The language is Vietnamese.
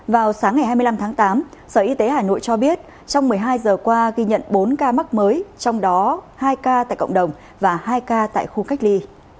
vào sáng ngày hai mươi năm tháng tám sở y tế hà nội cho biết trong một mươi hai giờ qua ghi nhận bốn ca mắc mới trong đó hai ca tại cộng đồng và hai ca tại khu cách ly